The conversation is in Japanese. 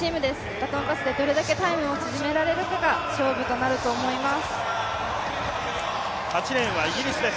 バトンパスでどれだけタイムを縮められるかが勝負となると思います。